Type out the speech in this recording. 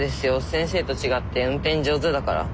先生と違って運転上手だから。